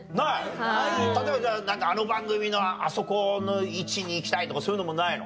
例えばじゃああの番組のあそこの位置に行きたいとかそういうのもないの？